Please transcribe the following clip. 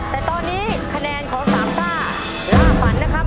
แต่ตอนนี้คะแนนของสามซ่าล่าฝันนะครับ